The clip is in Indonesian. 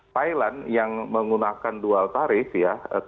thailand yang menggunakan dual tarif ya